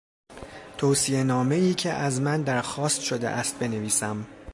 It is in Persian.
توصیه نامهای که از من درخواست شده است بنویسم